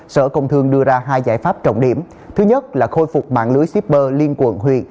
sở công thương đưa ra hai giải pháp trọng điểm thứ nhất là khôi phục mạng lưới shipper liên quận huyện